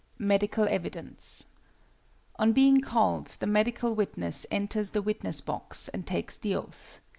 MEDICAL EVIDENCE On being called, the medical witness enters the witness box and takes the oath.